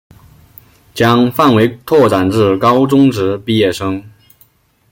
将范围拓展至高中职毕业生